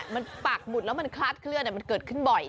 ใช่บางทีพักบุตรแล้วมันคลาดเคลื่อนมันเกิดขึ้นบ่อย